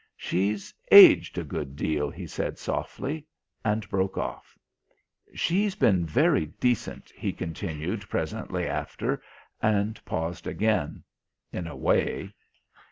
"She's aged a good deal," he said softly, and broke off. "She's been very decent," he continued presently after, and paused again. "In a way."